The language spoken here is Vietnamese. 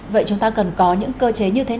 vậy chúng ta cần có những cơ chế như thế nào